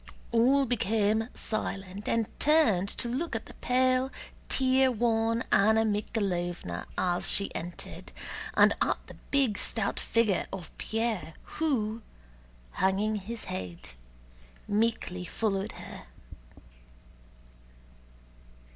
All became silent and turned to look at the pale tear worn Anna Mikháylovna as she entered, and at the big stout figure of Pierre who, hanging his head, meekly followed her.